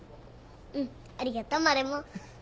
うんありがとうマルモ。